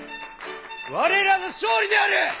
我らの勝利である！